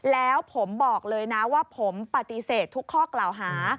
แล้วผมบอกเลยนะว่าผมปฏิเสธทุกข้อกล่าวหา